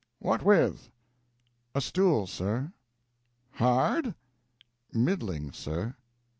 "What with?" "A stool, sir." "Hard?" "Middling, sir."